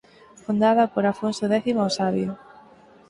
Fundada por Afonso X o Sabio.